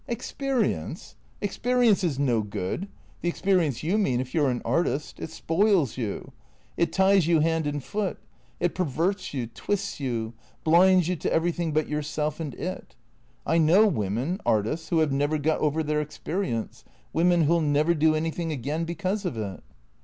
" Experience ? Experience is no good — the experience you mean — if you 're an artist. It spoils you. It ties you hand and foot. It perverts you, twists you, blinds you to everything but yourself and it. I know women — artists — who have never got over their experience, women who '11 never do anything again because of it."